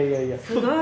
すごい。